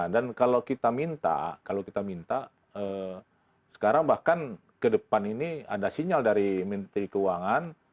dan kalau kita minta sekarang bahkan ke depan ini ada sinyal dari menteri keuangan